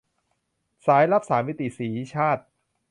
สายลับสามมิติ - สีชาติ